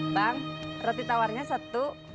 bang roti tawarnya satu